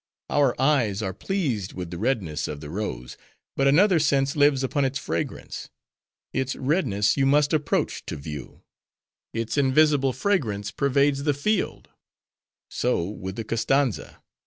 Our eyes are pleased with the redness of the rose, but another sense lives upon its fragrance. Its redness you must approach, to view: its invisible fragrance pervades the field. So, with the Koztanza.